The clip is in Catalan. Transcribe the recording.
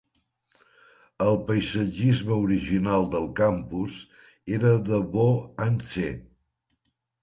El paisatgisme original del campus era da Vaux and C.